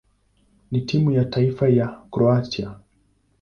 na timu ya taifa ya Kroatia.